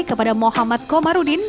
kepada mohamad komarudin